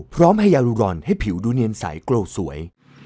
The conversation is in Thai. พร้อมให้ยาวรุรณให้ผิวดูเนียนใสกลัวสวย